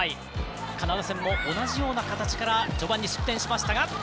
カナダ戦も同じような形から序盤に失点しましたが。